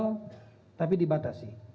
silakan diistiklal tapi dibatasi